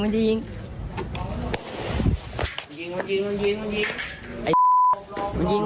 มันยิง